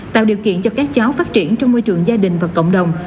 tạo điều kiện cho các cháu phát triển trong môi trường gia đình và cộng đồng